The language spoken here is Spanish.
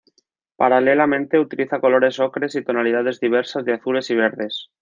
Paralelamente, utiliza colores ocres y tonalidades diversas de azules y verdes.